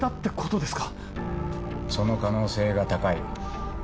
その可能性が高い。